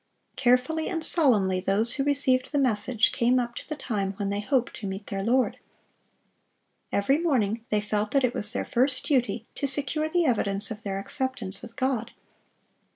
Carefully and solemnly those who received the message came up to the time when they hoped to meet their Lord. Every morning they felt that it was their first duty to secure the evidence of their acceptance with God.